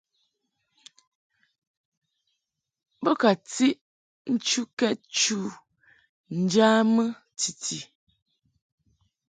Bo ka tiʼ nchukɛd chu ŋjamɨ titi.